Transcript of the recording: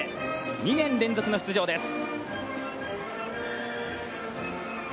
２年連続の出場です。